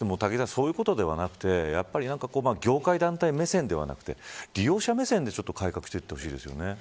そういうことではなくて業界団体目線ではなくて利用者目線で回復していってほしいですよね。